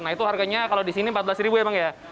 nah itu harganya kalau di sini rp empat belas ya bang ya